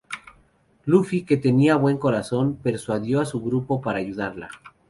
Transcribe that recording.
Luffy, que tenía buen corazón, persuadió a su grupo para ayudarla.